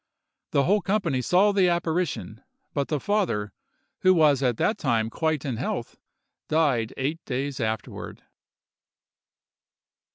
The whole company saw the apparition; but the father, who was at that time quite in health, died eight days afterward.